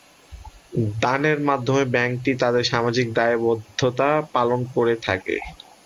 দানের মাধ্যমে ব্যাংকটি তাদের সামাজিক দায়বদ্ধতা পালন করে থাকে।